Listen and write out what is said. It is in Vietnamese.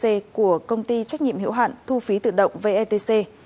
và thẻ etc của công ty trách nhiệm hiệu hạn thu phí tự động vetc